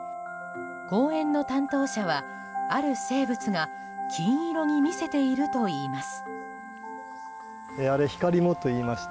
公園の担当者は、ある生物が金色に見せているといいます。